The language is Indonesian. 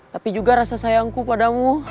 tapi juga rasa sayangku padamu